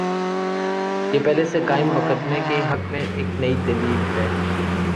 یہ پہلے سے قائم مقدمے کے حق میں ایک نئی دلیل ہے۔